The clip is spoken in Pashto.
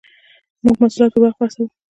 موږ محصولات پر وخت رسوو.